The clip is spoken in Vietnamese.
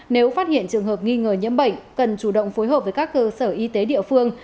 nếu phát hiện trường hợp nghi ngờ nhiễm bệnh cần chủ động phối hợp với các cơ sở y tế địa phương